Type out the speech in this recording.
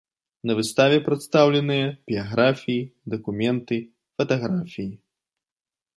На выставе прадстаўленыя біяграфіі, дакументы, фатаграфіі.